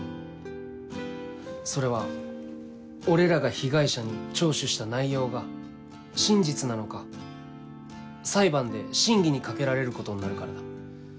それは俺らが被害者に聴取した内容が真実なのか裁判で審議にかけられることになるからだ。